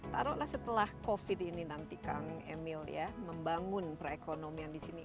taruhlah setelah covid ini nanti kang emil ya membangun perekonomian di sini